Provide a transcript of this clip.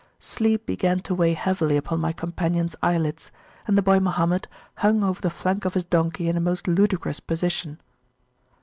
Sleep began to weigh heavily upon my companions eye lids, and the boy Mohammed hung over the flank of his donkey in a most ludicrous position.